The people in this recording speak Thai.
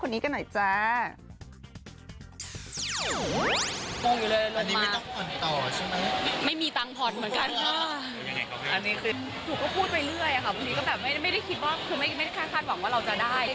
วันนี้ก็แบบไม่ได้คิดว่าคาดหวังว่าเราจะได้